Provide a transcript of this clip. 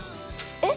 えっ！？